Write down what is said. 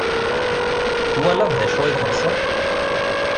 Twalaḍ d acu i telsa?